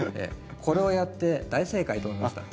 これをやって大正解と思いました。